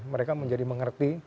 mereka menjadi mengerti